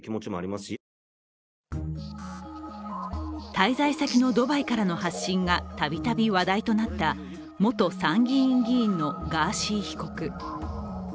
滞在先のドバイからの発信がたびたび話題となった元参議院議員のガーシー被告。